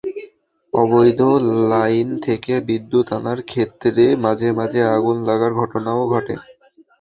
অবৈধ লাইন থেকে বিদ্যুৎ আনার ক্ষেত্রে মাঝে মাঝে আগুন লাগার ঘটনাও ঘটে।